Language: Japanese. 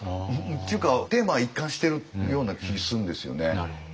っていうかテーマが一貫しているような気するんですよね。